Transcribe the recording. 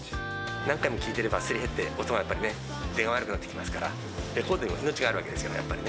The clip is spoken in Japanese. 何回も聴いていれば、すり減って、音がやっぱりね、出が悪くなってきますから、レコードも命がある、やっぱりね。